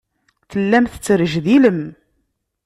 Tellam tettrejdilem.